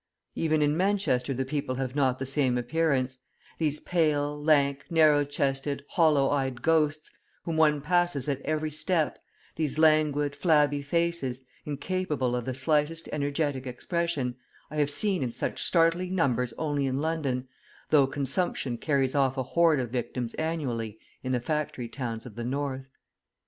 Even in Manchester the people have not the same appearance; these pale, lank, narrow chested, hollow eyed ghosts, whom one passes at every step, these languid, flabby faces, incapable of the slightest energetic expression, I have seen in such startling numbers only in London, though consumption carries off a horde of victims annually in the factory towns of the North.